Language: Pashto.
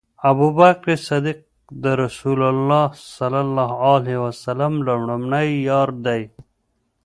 ابوبکر صديق د رسول الله صلی الله عليه وسلم لومړی یار دی